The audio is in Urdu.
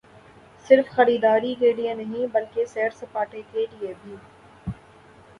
صرف خریداری کیلئے نہیں بلکہ سیر سپاٹے کیلئے بھی۔